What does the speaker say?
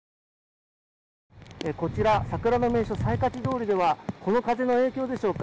こちら、桜の名所西海子小路ではこの風の影響でしょうか。